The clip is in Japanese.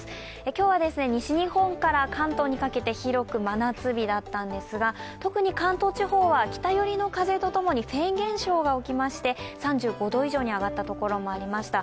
今日は西日本から関東にかけて広く真夏日だったんですが、特に関東地方は北寄りの風とともにフェーン現象が起きまして３５度以上に上がった所もありました。